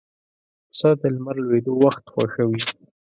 پسه د لمر لوېدو وخت خوښوي.